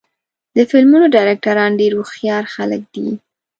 د فلمونو ډایرکټران ډېر هوښیار خلک دي.